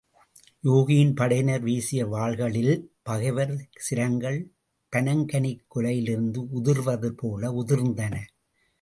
யூகியின் படையினர் வீசிய வாள்களில் பகைவர் சிரங்கள் பனங்கனிக் குலையிலிருந்து உதிர்வதுபோல உதிர்ந்தன.